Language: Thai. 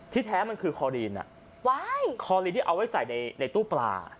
แท้มันคือคอลีนคอลีนที่เอาไว้ใส่ในตู้ปลา